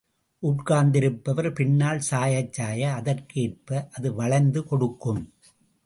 உட்கார்ந்திருப்பவர் பின்னால் சாயச் சாய, அதற்கு ஏற்ப அது வளைந்து கொடுக்கும்.